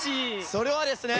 それはですね。